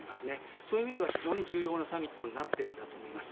そういう意味では非常に重要なサミットになっていると思います。